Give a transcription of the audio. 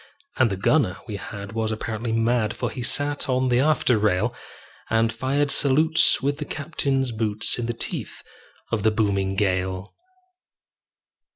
And the gunner we had was apparently mad, For he sat on the after rail, And fired salutes with the captain's boots, In the teeth of the booming gale.